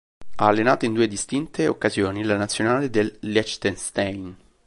Ha allenato in due distinte occasioni la Nazionale del Liechtenstein.